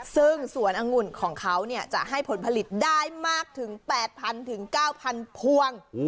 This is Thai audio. ซึ่งสวนองุ่นของเขาจะให้ผลผลิตได้มากถึง๘๐๐๙๐๐พวง